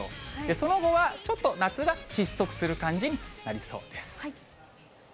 その後はちょっと夏が失速する感じになりそうです。